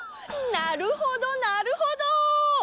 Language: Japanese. なるほどなるほど。